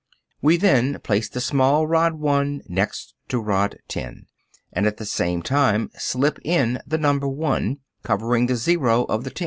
We then place the small rod 1 next to rod 10, and at the same time slip in the number 1, covering the zero of the 10.